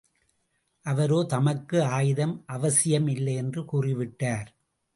அவரோ தமக்கு ஆயுதம் அவசியம் இல்லை என்று கூறி விட்டார்.